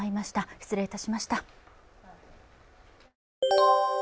失礼いたしました。